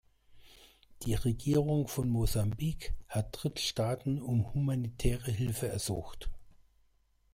Die Regierung von Mosambik hat Drittstaaten um humanitäre Hilfe ersucht.